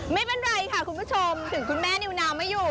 ไม่เป็นไรค่ะคุณผู้ชมถึงคุณแม่นิวนาวไม่อยู่